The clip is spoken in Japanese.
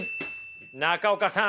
中岡さん。